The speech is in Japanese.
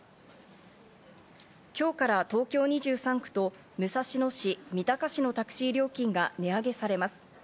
今日から東京２３区と武蔵野市、三鷹市のタクシー料金が値上げされます。